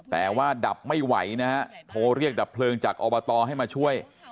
แต่ว่าดับไม่ไหวนะฮะโทรเรียกดับเพลิงจากอบตให้มาช่วย